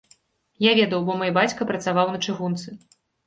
Я ведаў, бо мой бацька працаваў на чыгунцы.